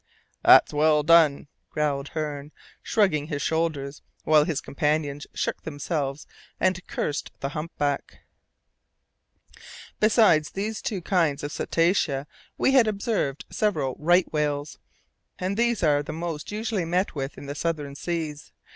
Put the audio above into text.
"That's well done!" growled Hearne, shrugging his shoulders, while his companions shook themselves and cursed the humpback. Besides these two kinds of cetacea we had observed several right whales, and these are the most usually met with in the southern seas.